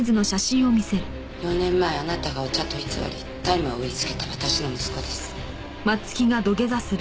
４年前あなたがお茶と偽り大麻を売りつけた私の息子です。